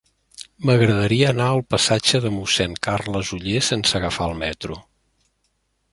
M'agradaria anar al passatge de Mossèn Carles Oller sense agafar el metro.